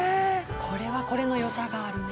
これはこれの良さがあるね